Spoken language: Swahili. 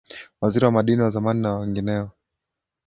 Waziri wa Madini wa zamani na wengineo